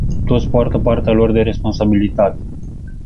Toți poartă partea lor de responsabilitate.